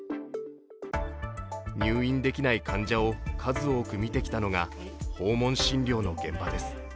入院できない患者を数多く診てきたのが訪問診療の現場です。